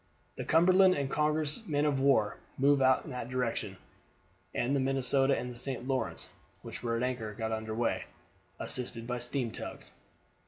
The Cumberland and Congress men of war moved out in that direction, and the Minnesota and the St. Lawrence, which were at anchor, got under weigh, assisted by steam tugs.